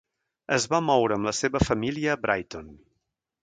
Es va moure amb la seva família a Brighton.